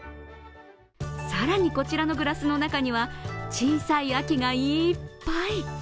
更に、こちらのグラスの中には小さい秋がいっぱい。